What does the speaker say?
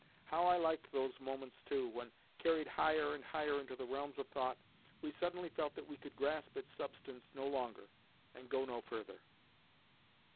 How I liked those moments, too, when, carried higher and higher into the realms of thought, we suddenly felt that we could grasp its substance no longer and go no further!